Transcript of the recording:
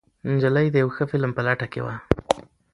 نجلۍ د یو ښه فلم په لټه کې وه.